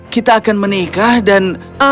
kita akan menikah dan